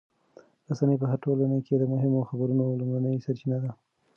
رسنۍ په هره ټولنه کې د مهمو خبرونو لومړنۍ سرچینه ده.